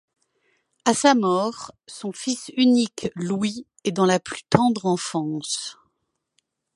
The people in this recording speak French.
À sa mort, son fils unique Louis est dans la plus tendre enfance.